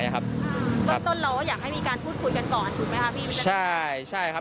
ต้นเราอยากให้มีการพูดคุยกันก่อนถูกไหมคะพี่